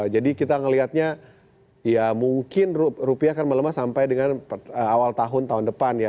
jadi kita ngelihatnya ya mungkin rupiah akan melemah sampai dengan awal tahun tahun depan ya